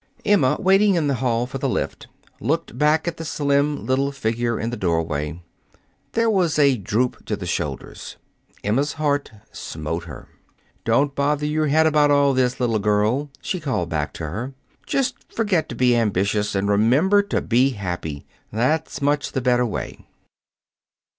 Emma, waiting in the hall for the lift, looked back at the slim little figure in the doorway. There was a droop to the shoulders. Emma's heart smote her. "Don't bother your head about all this, little girl," she called back to her. "Just forget to be ambitious and remember to be happy. That's much the better way."